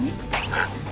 えっ？